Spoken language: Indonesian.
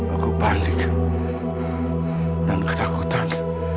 aku balik dan ketakutan